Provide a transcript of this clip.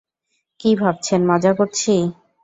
কী ভাবছেন মজা করছি?